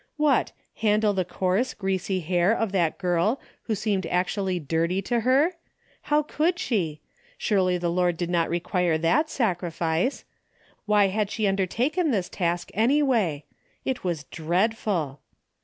What, handle the coarse greasy hair of that girl who seemed actually dirty to hey ? How could she ? Surely the Lord did DAILY RATEy 231 not require that sacrifice. Why had she un dertaken this task anywray ? It was dreadf ul.